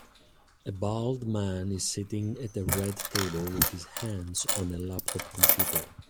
A bald man is sitting at a red table with his hands on a laptop computer.